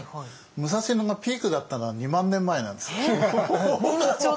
武蔵野がピークだったのは２万年前なんですよ。えっ！？